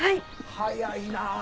早いな。